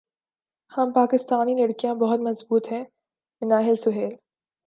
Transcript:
ہم پاکستانی لڑکیاں بہت مضبوط ہیں منہل سہیل